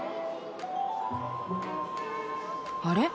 あれ？